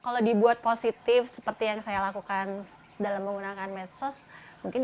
jadi ajang bisnis ya buat ngembangin